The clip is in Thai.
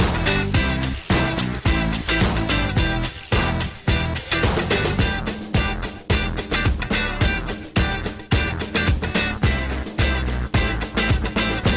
โปรดติดตามตอนต่อไป